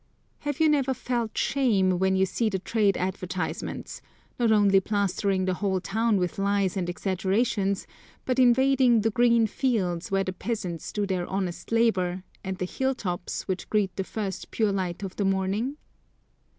Have you never felt shame, when you see the trade advertisements, not only plastering the whole town with lies and exaggerations, but invading the green fields, where the peasants do their honest labour, and the hill tops, which greet the first pure light of the morning?